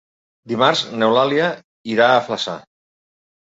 Dimarts n'Eulàlia irà a Flaçà.